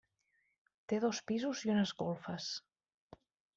Té dos pisos i unes golfes.